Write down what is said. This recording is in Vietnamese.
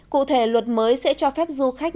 cụ thể luật mới sẽ cho phép du khách